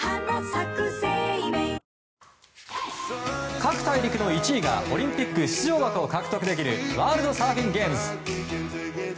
各大陸の１位がオリンピック出場枠を獲得できるワールドサーフィンゲームズ。